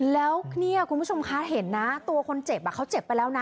แล้วเนี่ยคุณผู้ชมคะเห็นนะตัวคนเจ็บเขาเจ็บไปแล้วนะ